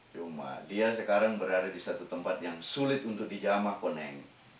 cuma dia sekarang berada di satu tempat yang sulit untuk di jamah koneng